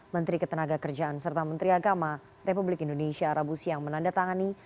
menteri ketenaga kerjaan serta menteri agama republik indonesia rabu siang menandatangani